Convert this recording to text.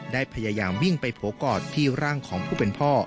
ได้พยายามวิ่งไปโผล่กอดที่ร่างของผู้เป็นพ่อ